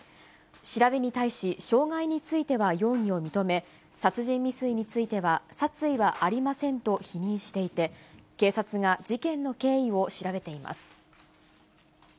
調べに対し、傷害については容疑を認め、殺人未遂については殺意はありませんと否認していて、警察が事件の経緯を調べています。